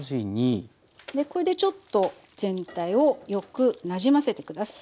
これでちょっと全体をよくなじませて下さい。